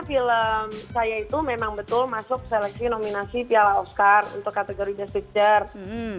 film saya itu memang betul masuk seleksi nominasi piala oscar untuk kategori best picture